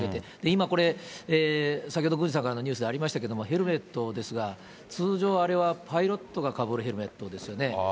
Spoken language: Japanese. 今これ、先ほど郡司さんからのニュースでありましたけれども、ヘルメットですが、通常、あれはパイロットがかぶるヘルメットですよね。